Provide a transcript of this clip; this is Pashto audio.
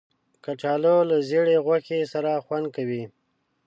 کچالو له زېړې غوښې سره خوند کوي